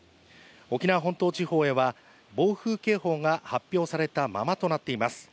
沖縄本島地方へは、暴風警報が発表されたままとなっています。